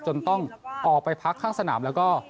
จนต้องออกไปพักข้างสนามแล้วก็